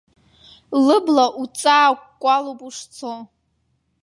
Лыбла уҵаакәкәалоуп ушцо.